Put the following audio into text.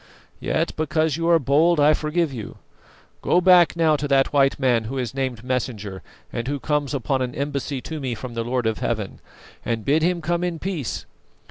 Yet because you are bold, I forgive you. Go back now to that white man who is named Messenger and who comes upon an embassy to me from the Lord of Heaven, and bid him come in peace.